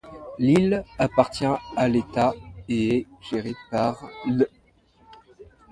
L’île appartient à l’État et est gérée par l'.